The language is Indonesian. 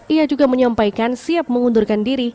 ia juga menyampaikan siap mengundurkan diri